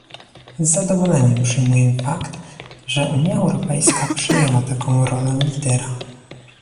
Z zadowoleniem przyjmuję fakt, że Unia Europejska przyjęła taką rolę lidera